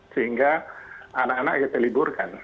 sehingga anak anak kita liburkan